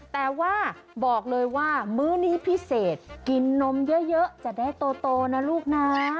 แต่ว่าบอกเลยว่ามื้อนี้พิเศษกินนมเยอะจะได้โตนะลูกนะ